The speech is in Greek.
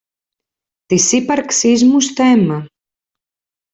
της ύπαρξής μου στέμμα